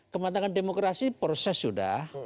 kematangan demokrasi proses sudah